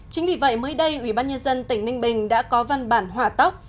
chính vì vậy mới đây ubnd tỉnh ninh bình đã có văn bản hỏa tóc